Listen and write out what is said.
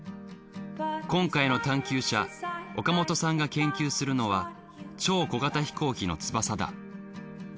今回の探究者岡本さんが研究するのは超小型飛行機の翼だ。